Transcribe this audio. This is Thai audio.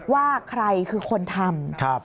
ว่าใครคือคนทำ